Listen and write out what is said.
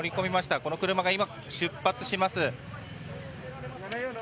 この車が今、出発します。